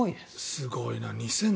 すごいな。